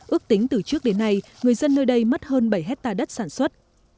ước tính từ trước đến nay người dân nơi đây mất hơn bảy triệu đồng